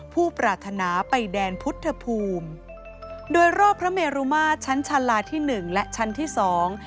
ปรารถนาไปแดนพุทธภูมิโดยรอบพระเมรุมาตรชั้นชาลาที่หนึ่งและชั้นที่สอง